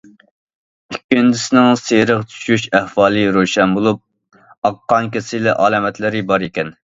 ئىككىنچىسىنىڭ سېرىق چۈشۈش ئەھۋالى روشەن بولۇپ، ئاق قان كېسىلى ئالامەتلىرى بار ئىكەن.